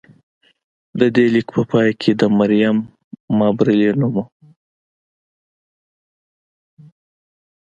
د دې لیک په پای کې د مریم مابرلي نوم و